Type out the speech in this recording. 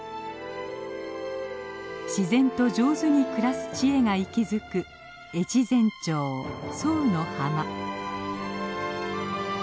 自然と上手に暮らす知恵が息づく越前町左右の浜。